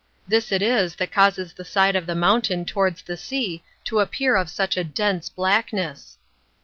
This it is that causes the side of the mountain towards the sea to appear of such a dense blackness.